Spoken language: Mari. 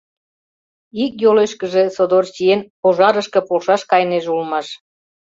Ик йолешкыже, содор чиен, пожарышке полшаш кайынеже улмаш.